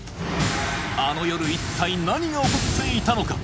あの夜一体何が起こっていたのか？